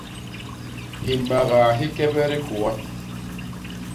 Himagaa hikebet hikôa.